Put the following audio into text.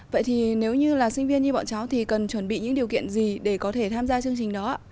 vậy thì nếu như là sinh viên như bọn cháu thì cần chuẩn bị những điều kiện gì để có thể tham gia chương trình đó ạ